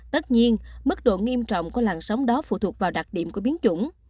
tất nhiên mức độ nghiêm trọng của làn sóng đó phụ thuộc vào đặc điểm của biến chủng